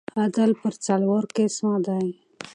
عدل پر څلور قسمه دئ.